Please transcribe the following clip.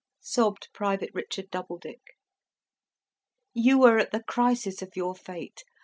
sobbed Private Richard Doubledick. "You are at the crisis of your fate.